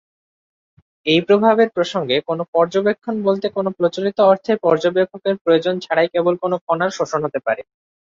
এই প্রভাবের প্রসঙ্গে, কোনও পর্যবেক্ষণ বলতে কোনো প্রচলিত অর্থের পর্যবেক্ষকের প্রয়োজন ছাড়াই কেবল কোনও কণার শোষণ হতে পারে।